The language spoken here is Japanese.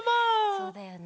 そうだよね。